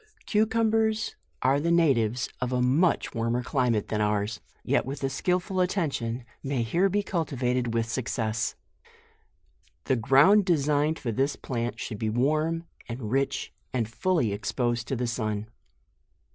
CUCUMBERS are the natives of a much warmer climate than ours, yet with a skillful attention may here be cultivated with success. The ground designed for this plant should be warm, and rich, and fully exposed to the sun.